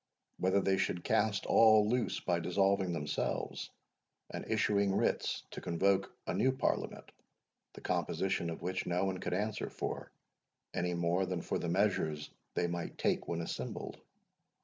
Whether they should cast all loose by dissolving themselves, and issuing writs to convoke a new Parliament, the composition of which no one could answer for, any more than for the measures they might take when assembled?